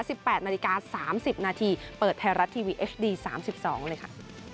แปดนาฬิกาสามสิบนาทีเปิดไทยรัฐทีวีเอฟดีสามสิบสองเลยค่ะ